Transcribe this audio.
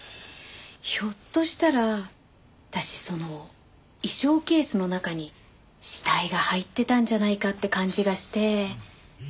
ひょっとしたら私その衣装ケースの中に死体が入ってたんじゃないかって感じがして。